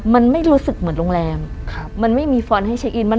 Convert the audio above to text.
มันไม่รู้สึกเหมือนโรงแรมมันไม่มีฟอนดให้เช็คอิน